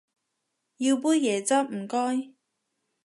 要杯椰汁唔該